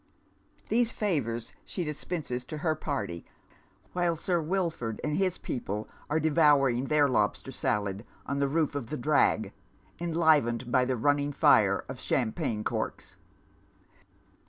Theae 98 Dead Meris Shoes, favours she dispenses to her party, whilft Sir Wilford and his people are devomir.g their lobster salad on the roof of the drag, enli vened by a running iire of champagne corks.